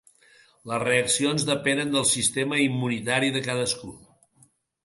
Les reaccions depenen del sistema immunitari de cadascú.